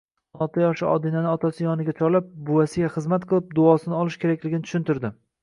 O`n yoshli Odinani otasi yoniga chorlab, buvasiga xizmat qilib, duosini olish kerakligini tushuntirdi